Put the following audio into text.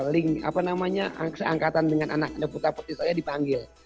link apa namanya seangkatan dengan anak neputa puti saya dipanggil